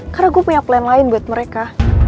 karena gue punya plan lain buat mereka